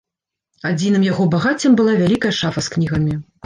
Адзіным яго багаццем была вялікая шафа з кнігамі.